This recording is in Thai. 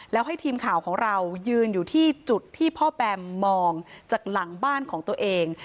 แล้วให้ทีมข่าวของเรายืนอยู่ที่จุดที่พ่อแบมมองจากหลังบ้านของตัวเอง